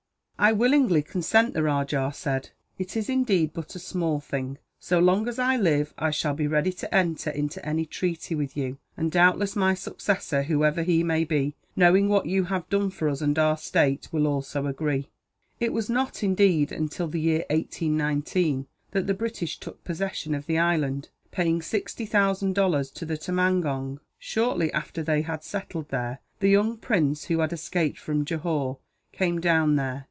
"I willingly consent," the rajah said; "it is, indeed, but a small thing. So long as I live, I shall be ready to enter into any treaty with you; and doubtless my successor, whoever he may be, knowing what you have done for us and our state, will also agree." [It was not, indeed, until the year 1819 that the British took possession of the island, paying sixty thousand dollars to the tumangong. Shortly after they had settled there the young prince, who had escaped from Johore, came down there.